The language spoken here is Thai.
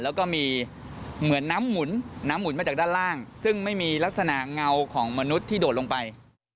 แล้วก็มีเหมือนน้ำหมุนน้ำหมุนมาจากด้านล่างซึ่งไม่มีลักษณะเงาของมนุษย์ที่โดดลงไป